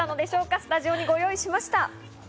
スタジオにご用意しました。